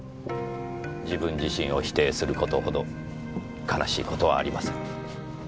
自分自身を否定する事ほど悲しい事はありません。